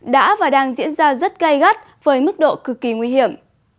đã và đang diễn ra rất gai gắt với mức độ cực kỳ nguy hiểm